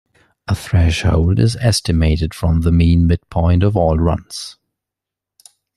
A threshold is estimated from the mean midpoint of all runs.